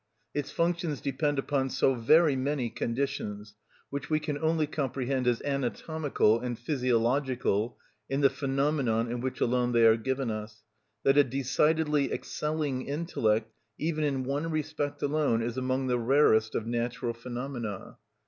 Its functions depend upon so very many conditions, which we can only comprehend as anatomical and physiological, in the phenomenon in which alone they are given us, that a decidedly excelling intellect, even in one respect alone, is among the rarest of natural phenomena.